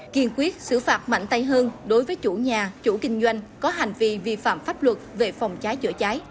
kiên quyết xử phạt mạnh tay hơn đối với chủ nhà chủ kinh doanh có hành vi vi phạm pháp luật về phòng cháy chữa cháy